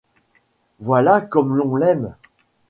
Voilà comme l’on aime!